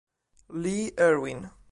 Lee Erwin